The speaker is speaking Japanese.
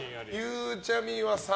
ゆうちゃみは△？